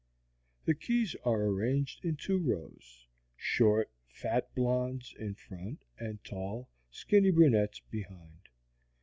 The keys are arranged in two rows short, fat blondes in front, and tall, skinny brunettes behind.